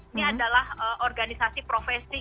ini adalah organisasi profesi